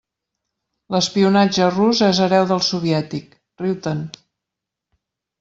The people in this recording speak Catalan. L'espionatge rus és hereu del soviètic; riu-te'n!